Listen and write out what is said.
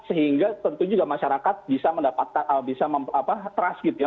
sehingga tentu juga masyarakat bisa mendapatkan bisa trust gitu ya